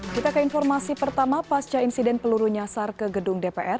kita ke informasi pertama pasca insiden peluru nyasar ke gedung dpr